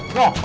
tuh di situ